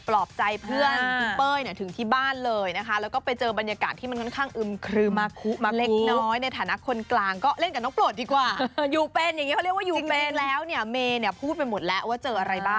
ก็ไม่อยากจะไปว่าอะไรของเขา